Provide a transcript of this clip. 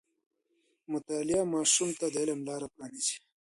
مطالعه ماشوم ته د علم لاره پرانیزي.